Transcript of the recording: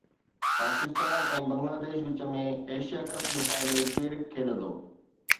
پاڪستان ۽ بنگلاديش وچ ۾ Asia Cup جو final ڪير کيڏندو؟